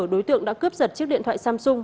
đối tượng đã cướp giật chiếc điện thoại samsung